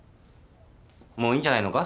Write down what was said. もういいんじゃないのか？